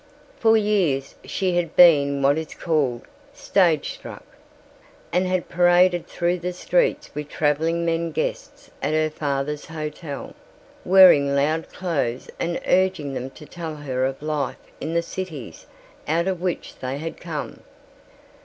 For years she had been what is called "stage struck" and had paraded through the streets with traveling men guests at her father's hotel, wearing loud clothes and urging them to tell her of life in the cities out of which they had come.